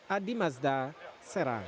adi mazda serang